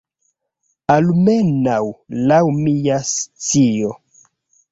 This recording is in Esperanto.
Almenaŭ laŭ mia scio.